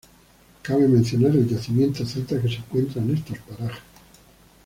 Cabe mencionar el yacimiento celta que se encuentra en estos parajes.